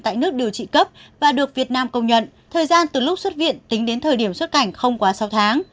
tại nước điều trị cấp và được việt nam công nhận thời gian từ lúc xuất viện tính đến thời điểm xuất cảnh không quá sáu tháng